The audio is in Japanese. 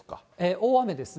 大雨ですね。